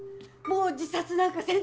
もう自殺なんかせんて。